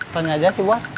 tanya aja sih bos